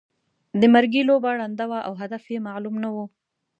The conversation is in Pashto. د مرګي لوبه ړنده وه او هدف یې معلوم نه وو.